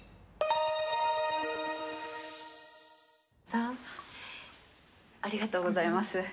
ありがとうございます。